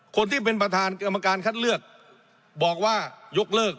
คนที่เป็นประธานกรรมการคัดเลือกบอกว่ายกเลิก